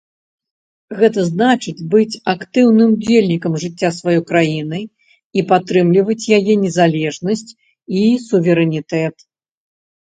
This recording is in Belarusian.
Гэта значыць быць актыўным удзельнікам жыцця сваёй краіны і падтрымліваць яе незалежнасць і суверэнітэт.